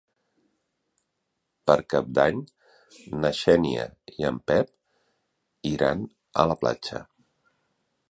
Per Cap d'Any na Xènia i en Pep iran a la platja.